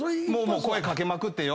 「声掛けまくってよ」